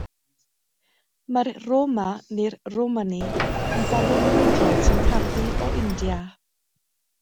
Mae'r Roma neu'r Romani yn bobl grwydrol sy'n tarddu o India.